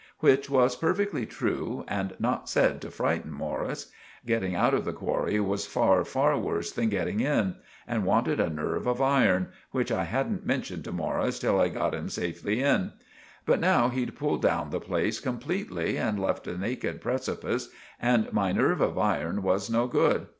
Which was perfectly true and not said to friten Morris. Getting out of the qwarry was far far worse than getting in and wanted a nerve of iron, which I hadn't mentioned to Morris till I got him safely in; but now he'd pulled down the place compleatly and left a naked precipice, and my nerve of iron was no good.